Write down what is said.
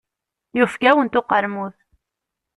Yufeg-awent uqermud.